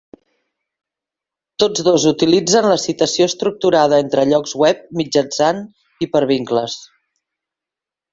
Tots dos utilitzen la citació estructurada entre llocs web mitjançant hipervincles.